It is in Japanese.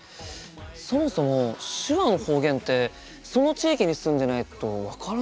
そもそも手話の方言ってその地域に住んでないと分からないよね。